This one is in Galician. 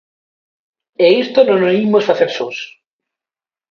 E isto non o imos facer sós.